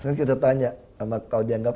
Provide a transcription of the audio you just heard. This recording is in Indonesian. kan kita tanya sama kalau dianggap